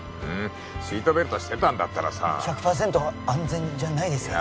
シートベルトしてたんだったらさ１００パーセント安全じゃないですよね